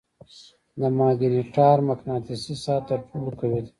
د ماګنیټار مقناطیسي ساحه تر ټولو قوي ده.